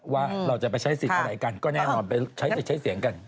ว่าเราจะไปใช้สิทธิ์อะไรกันก็แน่นอนไปใช้เสียงกัน